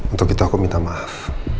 untuk itu aku minta maaf